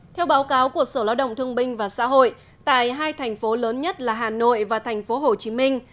theo báo cáo của sở lao động thương binh và xã hội tại hai thành phố lớn nhất là hà nội và thành phố hồ chí minh